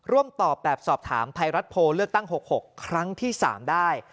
ร่วมตอบแบบสอบถามไทยรัฐโพลเลือกตั้ง๖๖ครั้งที่๓ได้